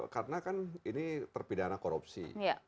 karena ini terpidana korupsi